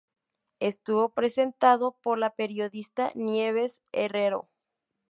Estuvo presentado por la periodista Nieves Herrero.